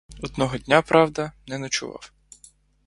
Одного дня правда, не ночував.